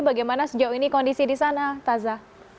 bagaimana sejauh ini kondisi di sana taza